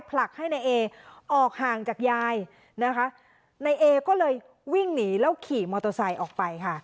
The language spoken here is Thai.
ผลักให้นายเอออกห่างจากยายนะคะนายเอก็เลยวิ่งหนีแล้วขี่มอเตอร์ไซค์ออกไปค่ะ